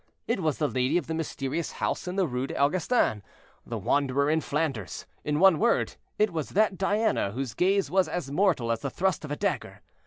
It was the lady of the mysterious house in the Rue des Augustins, the wanderer in Flanders; in one word, it was that Diana whose gaze was as mortal as the thrust of a dagger.